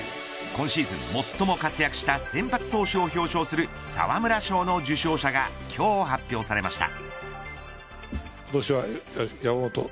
今シーズン、最も活躍した先発投手を表彰する沢村賞の受賞者が今日発表されました。